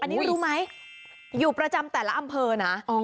อันนี้รู้ไหมอยู่ประจำแต่ละอำเภอนะ